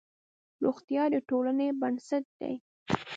روغتیا د ټولنې بنسټ دی.